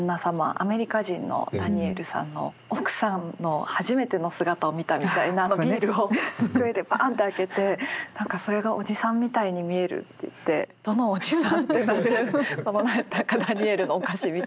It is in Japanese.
アメリカ人のダニエルさんの奥さんの初めての姿を見たみたいなビールを机でバンと開けて何かそれが「おじさんみたいに見える」って言って「どのおじさん？」ってなるこの何だかダニエルのおかしみとか。